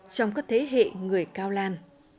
trong các thế hệ người cao lan